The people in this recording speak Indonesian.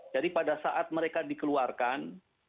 jadi pada saat mereka dikeluarkan